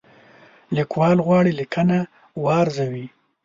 لیکوال غواړي لیکنه وارزوي.